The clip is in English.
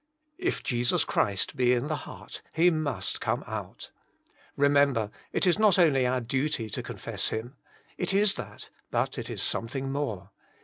If Jesus Christ be in the heart, He must come out. Remember, it is not only our duty to confess Him ; it is that, but it is something more.